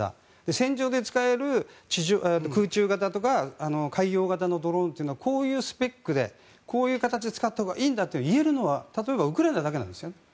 戦場で使える空中型とか海洋型のドローンというのはこういうスペックでこういう形で使ったほうがいいんだと言えるのは例えばウクライナだけなんです。